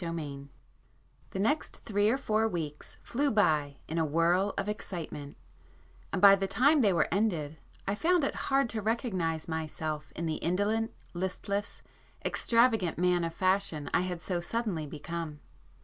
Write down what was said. [p 71]VII The next three or four weeks flew by in a whirl of excitement, and by the time they were ended I found it hard to recognize myself in the indolent, listless, extravagant man of fashion I had so suddenly become.